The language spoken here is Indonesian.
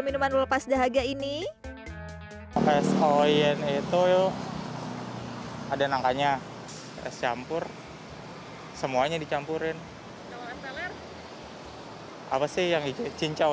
minuman lepas dahaga ini es oyen itu ada nangkanya campur semuanya dicampurin apa sih yang di cincau